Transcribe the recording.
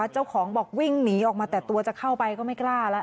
เจ้าของบอกวิ่งหนีออกมาแต่ตัวจะเข้าไปก็ไม่กล้าแล้ว